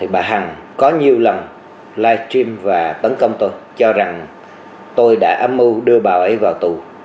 bà hằng có nhiều lần live stream và tấn công tôi cho rằng tôi đã âm mưu đưa bà ấy vào tù